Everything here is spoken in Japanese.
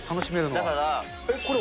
だから。